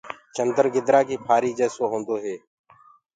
چندر گدرآ ڪي ڦآري جيسو هوندو هي